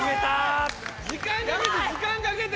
時間かけて時間かけて！